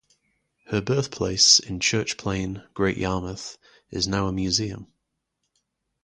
Her birthplace in Church Plain, Great Yarmouth, is now a museum.